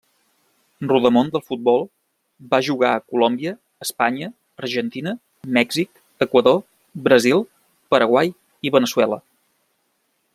Rodamón del futbol, va jugar a Colòmbia, Espanya, Argentina, Mèxic, Equador, Brasil, Paraguai i Veneçuela.